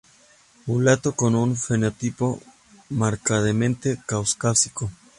Mulato con un fenotipo marcadamente caucásico.